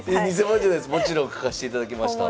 もちろん書かしていただきました。